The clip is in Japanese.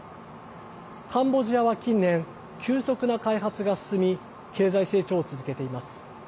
カンボジアは近年急速な開発が進み経済成長を続けています。